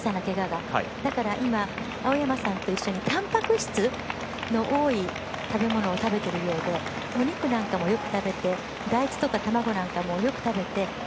だから今、青山さんと一緒にたんぱく質の多い食べ物を食べてるようで、お肉なんかもよく食べて大豆とか卵なんかもよく食べて。